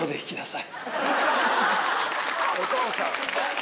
お父さん。